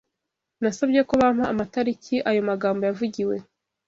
Nasabye ko bampa amatariki ayo magambo yavugiwe